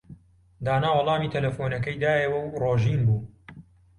دانا وەڵامی تەلەفۆنەکەی دایەوە و ڕۆژین بوو.